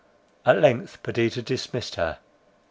At length Perdita dismissed her.